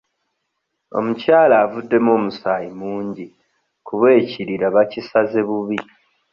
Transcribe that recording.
Omukyala avuddemu omusaayi mungi kuba ekirira bakisaze bubi.